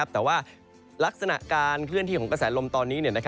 แต่ว่าลักษณะการเคลื่อนที่ของกระแสลมตอนนี้